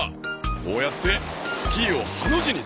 こうやってスキーをハの字にするとか。